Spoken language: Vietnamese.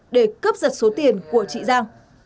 để cướp giật số tiền của chị giang